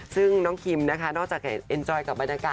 ซึ่งน้องคลิมนอกจาก